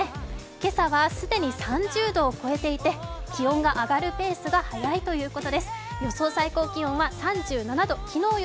今朝は既に３０度を超えていて気温が上がるペースが速いということです。